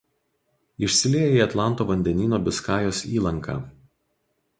Išsilieja į Atlanto vandenyno Biskajos įlanką.